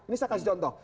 ini saya kasih contoh